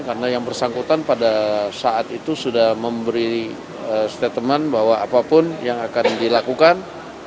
karena yang bersangkutan pada saat itu sudah memberi statement bahwa apapun yang akan dilakukan